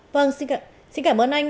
vâng xin cảm ơn anh